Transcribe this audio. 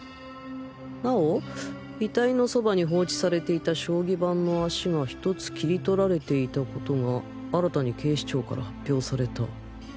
なお遺体のそばに放置されていた将棋盤の脚が１つ切り取られていた事が新たに警視庁から発表された